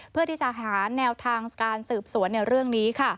เพื่อที่จะหาแนวทางการสืบสวนในเรื่องนี้